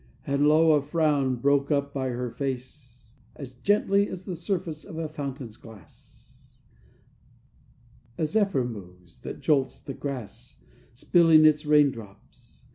And, lo, a frown Broke up her face as gently as The surface of a fountain's glass A zephyr moves, that jolts the grass Spilling its rain drops.